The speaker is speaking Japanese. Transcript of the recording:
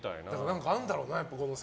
何かあるんだろうね。